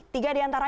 tiga di antara